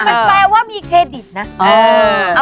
แค่ว่ามีเครดิตนะ